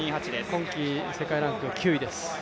今季世界ランク９位です。